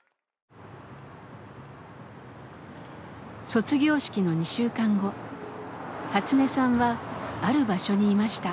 卒業式の２週間後ハツネさんはある場所にいました。